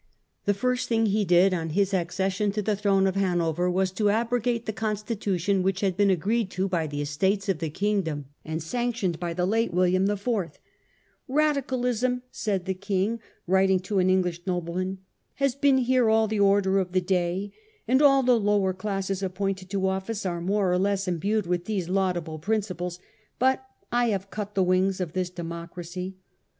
The first thing he did on his accession to the throne of Hanover was to abrogate the constitution which had been agreed to by the Estates of the kingdom, and sanctioned by the late King, William IV. ' Radicalism,' said the King, writing to an English nobleman, ' has been here all the order of the day, and all the lower class appointed to office were more or less imbued with these laudable principles. ... But I have cut the wings of this democracy.